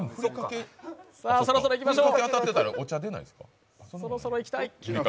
そろそろいきましょう！